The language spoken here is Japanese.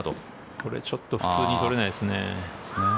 これ、ちょっと普通には取れないですね。